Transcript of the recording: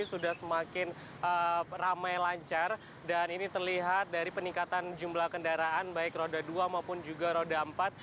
sudah semakin ramai lancar dan ini terlihat dari peningkatan jumlah kendaraan baik roda dua maupun juga roda empat